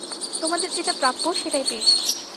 তোমাদের যেটা প্রাপ্য সেটাই পেয়েছ।